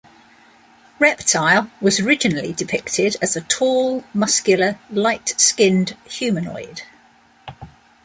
Reptile was originally depicted as a tall, muscular, light-skinned humanoid.